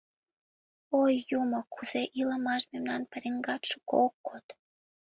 Ой, юмо, кузе илымаш мемнан пареҥгат шуко ок код.